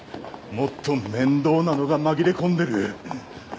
もっと面倒なのが紛れ込んでる。